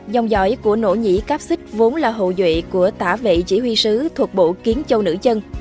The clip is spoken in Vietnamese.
dòng giỏi của nỗ nhĩ cáp xích vốn là hậu duệ của tả vị chỉ huy sứ thuộc bộ kiến châu nữ chân